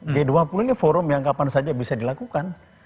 g dua puluh ini forum yang kapan saja bisa dilakukan